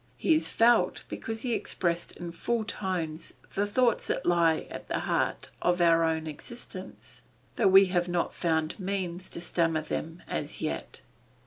He is felt because he expressed in full tones the thoughts that lie at the heart of our own existence, though we have not found means to stammer them as yet."